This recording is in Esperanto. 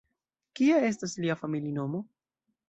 Kia estas lia familinomo?